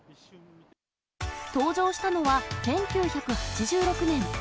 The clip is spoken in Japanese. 登場したのは１９８６年。